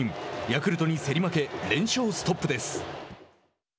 ヤクルトに競り負け連勝ストップです。